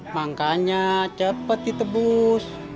makanya cepet ditebus